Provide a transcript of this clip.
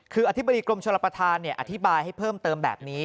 คืออธิบดีกรมชลประธานอธิบายให้เพิ่มเติมแบบนี้